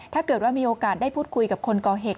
ถ้าเกิดว่ามีโอกาสได้พูดคุยกับคนก่อเหตุ